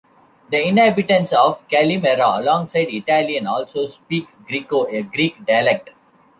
The inhabitants of Calimera, alongside Italian, also speak Griko, a Greek dialect.